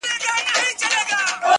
خداى دي كړي خير گراني څه سوي نه وي”